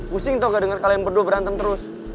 pusing toga dengan kalian berdua berantem terus